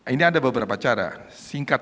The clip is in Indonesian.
ini ada beberapa cara singkat